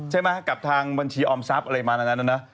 ใช่ไหมกับทางบัญชีออมทรัพย์อะไรประมาณนั้นนะ